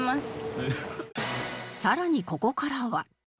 さらにここからは